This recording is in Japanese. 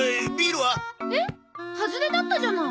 ハズレだったじゃない。